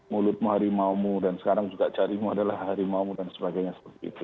mulutmu harimaumu dan sekarang juga jarimu adalah harimau dan sebagainya seperti itu